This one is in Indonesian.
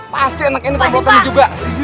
pasti anak ini takutnya juga